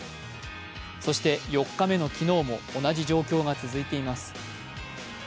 そして、４日目の昨日も同じ状況が続いています。